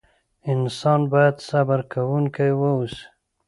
انسان بايد صبر کوونکی واوسئ.